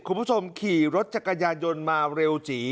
คุณผู้ชมขี่รถจักรยานยนต์มาเร็วจี